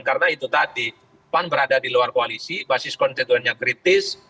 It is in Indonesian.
karena itu tadi pan berada di luar koalisi basis konstituennya kritis